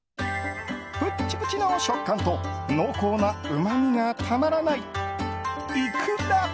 プチプチの食感と濃厚なうまみがたまらないイクラ。